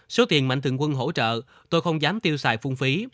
số tiền mạnh thường quân hỗ trợ tôi không dám tiêu xài phung phí